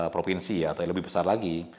provinsi atau yang lebih besar lagi